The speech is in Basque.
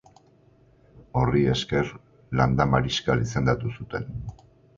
Horri esker, landa mariskal izendatu zuten.